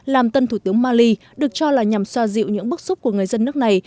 làm tân thủ tướng mali được cho là nhằm xoa dịu những bức xúc của người dân nước này